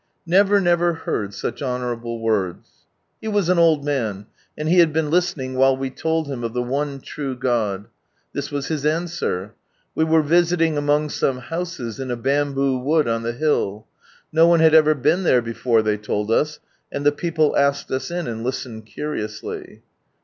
" Never, never heard such honourable wordi !" been listening while we told him of the one true God. This was tiis answer. We were visiting among houses, in a bamboo wood on the hill. No one had ever been there before, they told ua, and the people asked us in, and listened curiously.